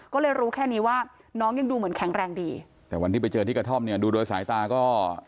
ก็เลยรู้แค่นี้ว่าน้องยังดูเหมือนแข็งแรงดีแต่วันที่ไปเจอที่กระท่อมเนี่ยดูโดยสายตาก็